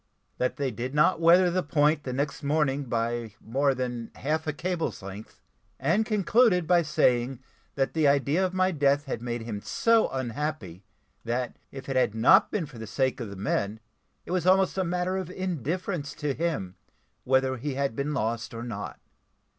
That they did not weather the point the next morning by more than half a cable's length; and concluded by saying, that the idea of my death had made him so unhappy, that if it had not been for the sake of the men, it was almost a matter of indifference to him whether he had been lost or not.